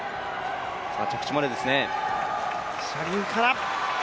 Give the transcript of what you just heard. さあ着地までですね。